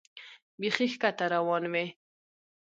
بیخي ښکته روان وې.